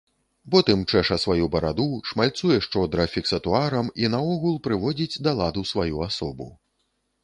Потым чэша сваю бараду, шмальцуе шчодра фіксатуарам і наогул прыводзіць да ладу сваю асобу.